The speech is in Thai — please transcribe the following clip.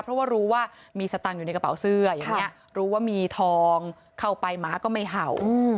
เพราะว่ารู้ว่ามีสตางค์อยู่ในกระเป๋าเสื้ออย่างนี้รู้ว่ามีทองเข้าไปหมาก็ไม่เห่า